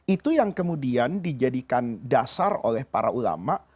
itu yang kemudian dijadikan dasar oleh para ulama